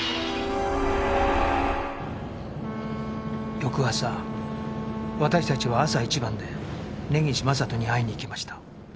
翌朝私たちは朝一番で根岸正人に会いに行きました